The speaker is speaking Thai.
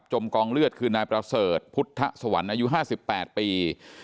กองเลือดคือนายประเสริฐพุทธสวรรค์อายุ๕๘ปี